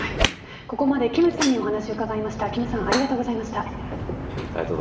ここまでは金さんにお話を伺いました。